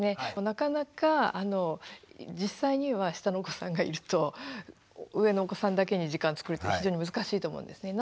なかなか実際には下のお子さんがいると上のお子さんだけに時間をつくるって非常に難しいと思うんですね。